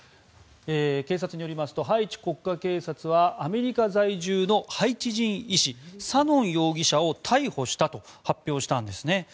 警察によりますとハイチ国家警察はアメリカ在住のハイチ人医師サノン容疑者を逮捕したと発表したんですね。